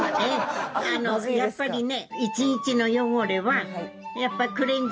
やっぱりね。